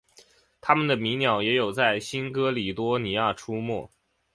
它们的迷鸟也有在新喀里多尼亚出没。